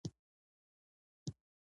ژبې د افغانستان د طبعي سیسټم توازن ساتي.